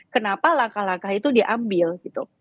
kenapa langkah langkah itu diambil gitu